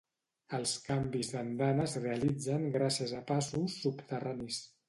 Els canvis d'andana es realitzen gràcies a passos subterranis.